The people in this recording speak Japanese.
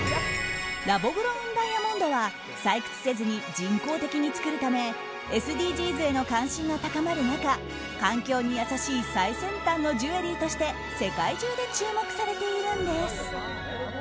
ラボグロウンダイヤモンドは採掘せずに人工的に作るためＳＤＧｓへの関心が高まる中環境に優しい最先端のジュエリーとして世界中で注目されているんです。